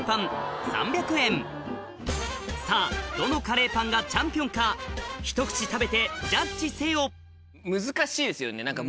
どのカレーパンがチャンピオンかひと口食べてジャッジせよ難しいですよね何か。